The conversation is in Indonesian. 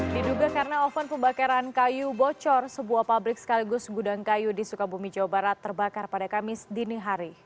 diduga karena oven pembakaran kayu bocor sebuah pabrik sekaligus gudang kayu di sukabumi jawa barat terbakar pada kamis dini hari